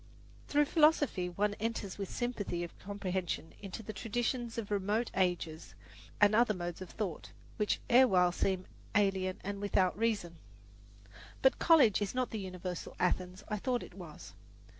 Through philosophy one enters with sympathy of comprehension into the traditions of remote ages and other modes of thought, which erewhile seemed alien and without reason. But college is not the universal Athens I thought it was.